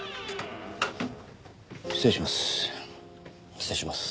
失礼します。